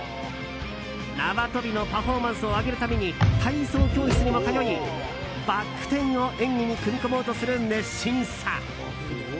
縄跳びのパフォーマンスを上げるために体操教室にも通いバック転を演技に組み込もうとする熱心さ。